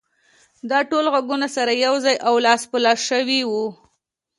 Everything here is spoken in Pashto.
دا ټول غږونه سره يو ځای او لاس په لاس شوي وو.